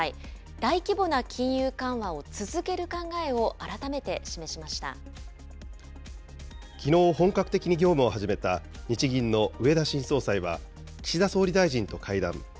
大規模な金融緩和を続ける考えをきのう、本格的に業務を始めた日銀の植田新総裁は、岸田総理大臣と会談。